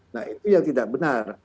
nah itu yang tidak benar